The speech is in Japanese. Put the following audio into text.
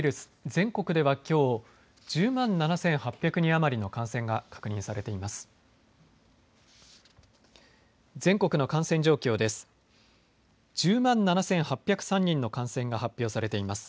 全国では、きょう１０万７８００人余りの感染が確認されています。